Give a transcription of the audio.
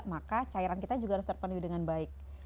maka cairan kita juga harus terpenuhi dengan baik